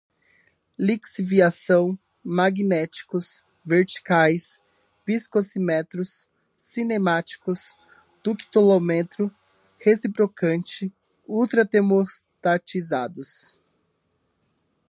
lixiviação, magnéticos, verticais, viscosímetros, cinemáticos, ductilômetro, reciprocante, ultratermostatizados